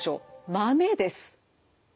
豆です。